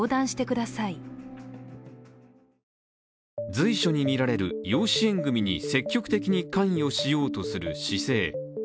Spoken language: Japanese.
随所に見られる養子縁組に積極的に関与しようとする姿勢。